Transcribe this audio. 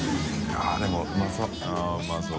あっでもうまそう。